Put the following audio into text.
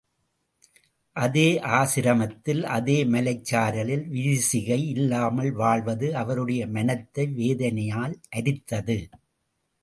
அதே ஆசிரமத்தில் அதே மலைச்சாரலில் விரிசிகை யில்லாமல் வாழ்வது அவருடைய மனத்தை வேதனையால் அரித்தது.